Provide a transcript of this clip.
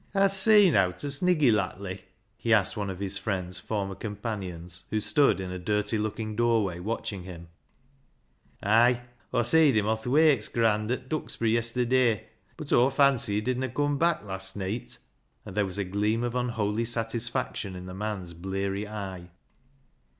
'• Hast seen owt o' Sniggy lattly?" he asked one of his friend's former companions, who stood in a dirty looking doorway watching him. *' Ay ! Aw^ seed him on th' Wakes graand at Duxb'ry yesterd'y, bud Aw fancy he didna coom back last neet ;" and there was a gleam of unholy satisfaction in the man's bleary eye.